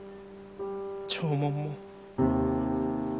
弔問も。